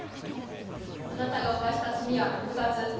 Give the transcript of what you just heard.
あなたが犯した罪は２つ。